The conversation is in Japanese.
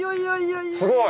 すごい！